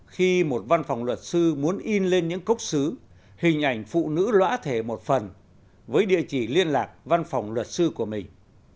khi một văn phòng luật sư muốn in lên những cốc xứ hình ảnh phụ nữ lõa thể một phần với địa chỉ liên lạc văn phòng luật sư của mình